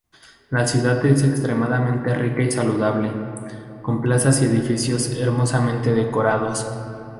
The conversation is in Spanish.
La ciudad es extremadamente rica y saludable, con plazas y edificios hermosamente decorados.